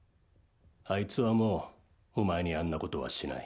あいつはもうお前にあんなことはしない。